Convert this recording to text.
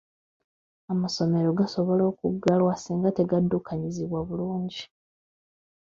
Amasomero gasobola okuggalwa singa tegaddukanyizibwa bulungi.